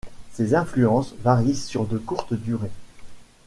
Ces influences varient sur de courtes durées.